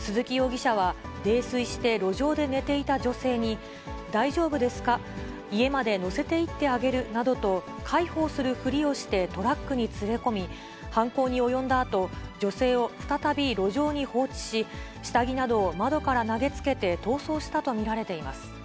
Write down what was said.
鈴木容疑者は泥酔して路上で寝ていた女性に、大丈夫ですか、家まで乗せていってあげるなどと、介抱するふりをしてトラックに連れ込み、犯行に及んだあと、女性を再び路上に放置し、下着などを窓から投げつけて逃走したと見られています。